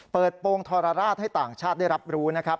โปรงทรราชให้ต่างชาติได้รับรู้นะครับ